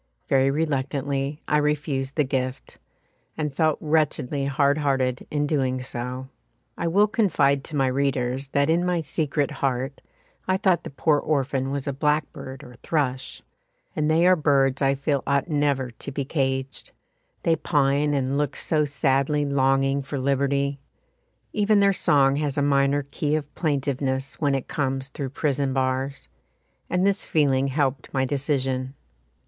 Very reluctantly I refused the gift, and felt wretchedly hard hearted in doing so. I will confide to my readers that in my secret heart I thought the poor orphan was a blackbird or thrush, and they are birds I feel ought never to be caged; they pine and look so sadly longing for liberty; even their song has a minor key of plaintiveness when it comes through prison bars, and this feeling helped my decision.